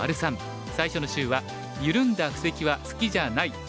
最初の週は「ゆるんだ布石は好きじゃない」です。